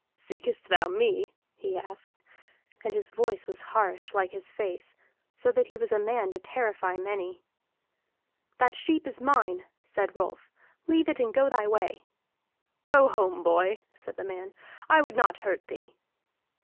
"Seekest thou me?" he asked. And his voice was harsh, like his face, so that he was a man to terrify many. "That sheep is mine," said Rolf. "Leave it and go thy way." "Go home, boy!" said the man. "I would not hurt thee."